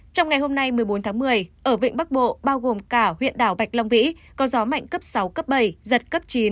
trong ngày hôm nay một mươi bốn tháng một mươi ở vịnh bắc bộ bao gồm cả huyện đảo bạch long vĩ có gió mạnh cấp sáu cấp bảy giật cấp chín